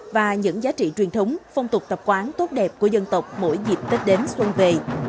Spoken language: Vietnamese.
và những giá trị truyền thống phong tục tập quán tốt đẹp của dân tộc mỗi dịp tết đến xuân về